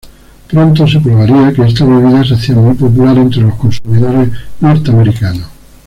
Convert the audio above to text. Pronto se probaría que esta bebida se hacía muy popular entre los consumidores norteamericanos.